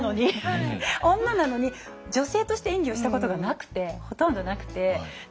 女なのに女性として演技をしたことがほとんどなくて。